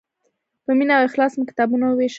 په مینه او اخلاص مې کتابونه ووېشل.